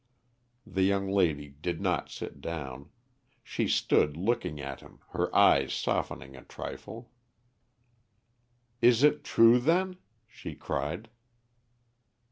The young lady did not sit down; she stood looking at him, her eyes softening a trifle. "Is it true, then?" she cried.